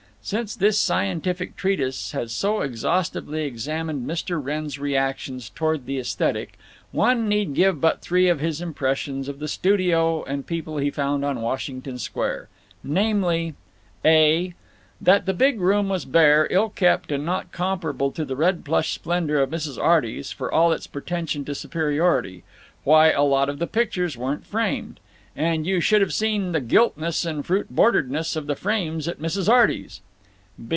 Since this scientific treatise has so exhaustively examined Mr. Wrenn's reactions toward the esthetic, one need give but three of his impressions of the studio and people he found on Washington Square—namely: (a) That the big room was bare, ill kept, and not comparable to the red plush splendor of Mrs. Arty's, for all its pretension to superiority. Why, a lot of the pictures weren't framed! And you should have seen the giltness and fruit borderness of the frames at Mrs. Arty's!